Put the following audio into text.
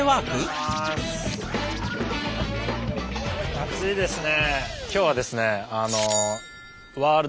暑いですね。